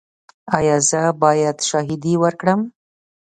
ایا زه باید شاهدي ورکړم؟